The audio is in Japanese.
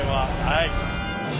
はい。